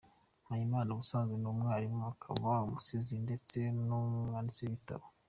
Mpayimana ubusanzwe ni umwarimu, akaba umusizi ndetse n’umwanditsi w’ibitabo.